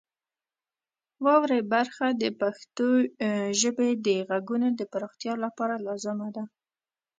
واورئ برخه د پښتو ژبې د غږونو د پراختیا لپاره لازمه ده.